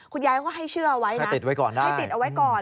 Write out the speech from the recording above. คุณยายเขาก็ให้เชื่อเอาไว้นะให้ติดเอาไว้ก่อน